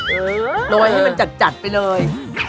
เอออย่าลงไปเลย